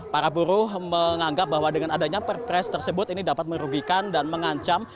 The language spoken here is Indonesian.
para buruh menganggap bahwa dengan adanya perpres tersebut ini dapat merugikan dan mengancam